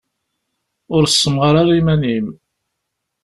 Ur ssemɣar ara iman-im.